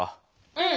うん！